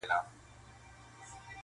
عبث مه ضایع کوه پکښي تخمونه,